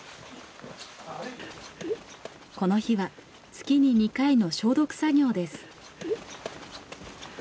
この日は月に２回の消毒作業です。